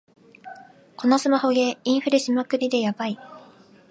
このスマホゲー、インフレしまくりでヤバい